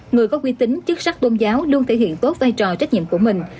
người có quy tính chức sắc tôn giáo luôn thể hiện tốt vai trò trách nhiệm của mình